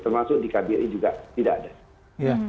termasuk di kbri juga tidak ada